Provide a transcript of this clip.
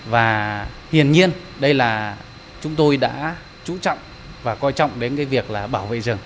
và hiền nhiên đây là chúng tôi đã trú trọng và coi trọng đến cái việc là bảo vệ rừng